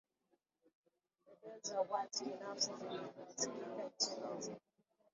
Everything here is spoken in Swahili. redio za wat binafsi zilizosikika nchi nzima